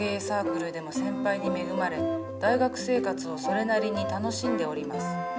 サークルでも先輩に恵まれ大学生活をそれなりに楽しんでおります。